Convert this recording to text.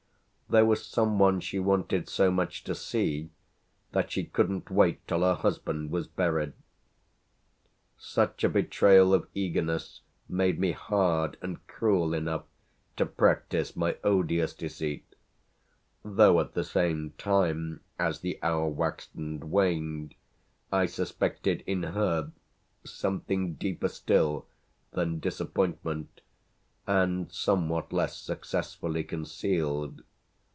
There was some one she wanted so much to see that she couldn't wait till her husband was buried. Such a betrayal of eagerness made me hard and cruel enough to practise my odious deceit, though at the same time, as the hour waxed and waned, I suspected in her something deeper still than disappointment and somewhat less successfully concealed.